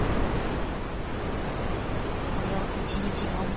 ［これを１日４回］